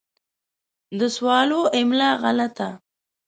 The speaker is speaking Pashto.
د سوالو املا غلطه